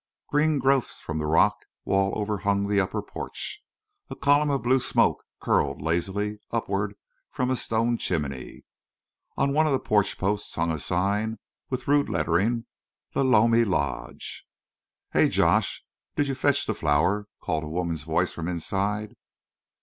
Green growths from the rock wall overhung the upper porch. A column of blue smoke curled lazily upward from a stone chimney. On one of the porch posts hung a sign with rude lettering: "Lolomi Lodge." "Hey, Josh, did you fetch the flour?" called a woman's voice from inside.